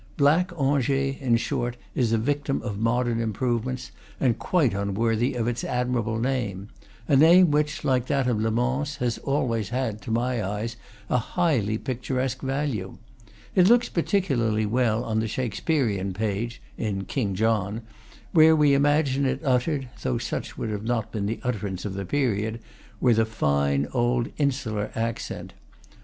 "Black Angers," in short, is a victim of modern improvements, and quite unworthy of its admirable name, a name which, like that of Le Mans, had always had, to my eyes, a highly picturesque value. It looks particularly well on the Shakspearean page (in "King John"), where we imagine it uttered (though such would not have been the utterance of the period) with a fine old in sular accent.